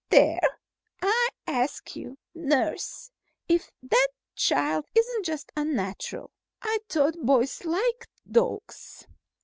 "There! I ask you, nurse, if that child isn't just unnatural. I thought boys liked dogs.